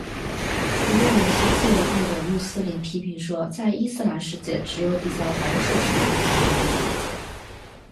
不过有些自由派的穆斯林批评说在伊斯兰世界只有比较保守声音才会被听见。